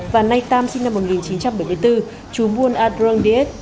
và nay tam sinh năm một nghìn chín trăm bảy mươi bốn trú buôn adrondit